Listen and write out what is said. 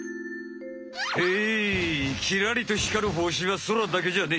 ヘイきらりとひかるほしはそらだけじゃねえ。